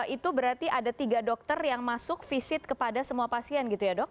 itu berarti ada tiga dokter yang masuk visit kepada semua pasien gitu ya dok